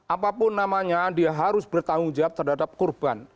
apapun namanya dia harus bertanggung jawab terhadap korban